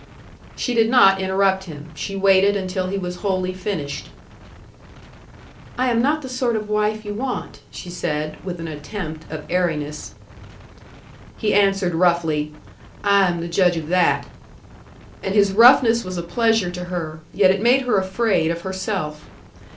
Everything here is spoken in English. She did not interrupt him. She waited until he was wholly finished. "I am not the sort of wife you want," she said, with an attempt of airiness. He answered roughly, "I am the judge of that." And his roughness was a pleasure to her, yet it made her afraid of herself.